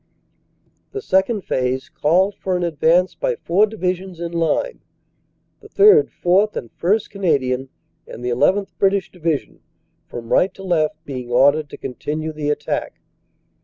"The Second Phase called for an advance by four Divisions in line, the 3rd., 4th. and 1st. Canadian and the llth. British Division from right to left being ordered to continue the attack.